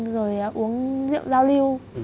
rồi uống rượu giao lưu